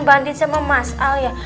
bandit sama mas al ya